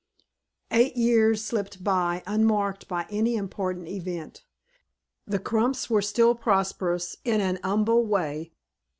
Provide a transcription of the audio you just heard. EIGHT years slipped by, unmarked by any important event. The Crumps were still prosperous in an humble way.